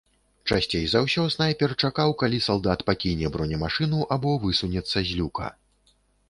Часцей за ўсё снайпер чакаў, калі салдат пакіне бронемашыну або высунецца з люка.